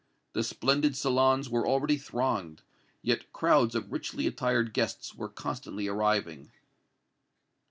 The splendid salons were already thronged, yet crowds of richly attired guests were constantly arriving.